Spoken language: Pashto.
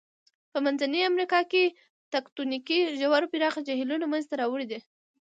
په منځنۍ امریکا کې تکتونیکي ژورې پراخه جهیلونه منځته راوړي دي.